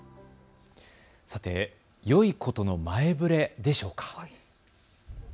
よいことの前触れでしょうか。